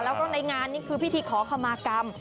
แล้วก็ในงานนี่คือพิธีขอขมากรรม